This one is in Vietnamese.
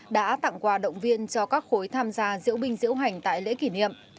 đã tặng quà động viên cho các khối tham gia diễu binh diễu hành tại lễ kỷ niệm